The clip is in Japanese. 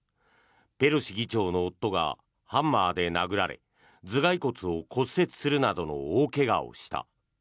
ペロシ議長の夫がハンマーで殴られ頭がい骨を骨折するなどの大怪我をした。